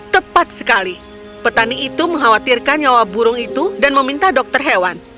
tepat sekali petani itu mengkhawatirkan nyawa burung itu dan meminta dokter hewan